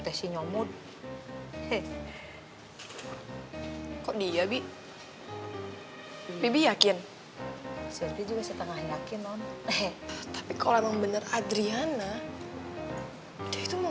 teh sinyum mood kok dia bibi yakin juga setengah yakin tapi kalau emang bener adriana itu mau